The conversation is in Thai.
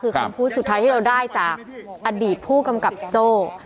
คือคำพูดสุดท้ายที่เราได้จากอดีตผู้กำกับโจ้